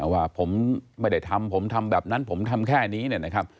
ว่าผมไม่ได้ทำผมทำแบบนั้นผมทำแค่นี้เนี่ยนะครับ